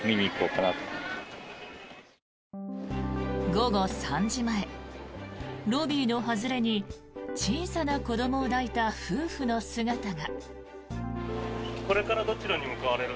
午後３時前、ロビーの外れに小さな子どもを抱いた夫婦の姿が。